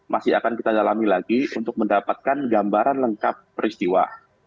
masih akan kita dalami lagi untuk mendapatkan gambaran lengkap peristiwa